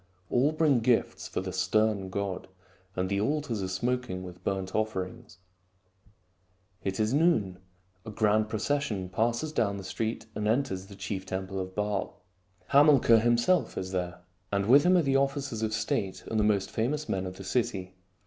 All bring gifts for the stern god, and the altars are smoking with burnt offerings. It is noon. A grand procession passes down 205 206 THIRTY MORE FAMOUS STORIES the street and enters the chief teniple of Baal. Hamilcar himself is there, and with him are the officers of state and the most famous men of the city.